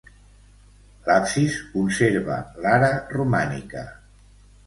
L'absis conserva l'ara romànica.